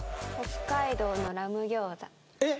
北海道のラム餃子えっ？